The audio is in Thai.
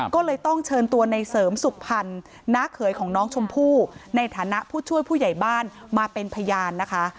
ก็เลยต้องเชิญตัวในเสริมสุขพันธ์น้าเขยของน้องชมพู่ในฐานะผู้ช่วยผู้ใหญ่บ้านมาเป็นพยานนะคะ